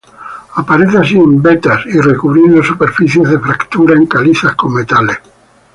Aparece así en vetas y recubriendo superficies de fractura en calizas con metales.